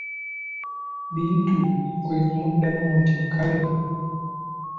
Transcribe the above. Bittu kwe kumuddamu nti:"kale"